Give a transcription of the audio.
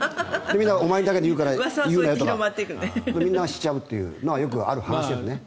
お前にだけ言うから言うなよとかみんなしちゃうというのはよくある話よね。